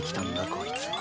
こいつは。